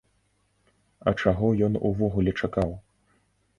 А чаго ён увогуле чакаў?